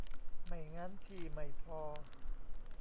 ไม่งั้นที่ไม่พอ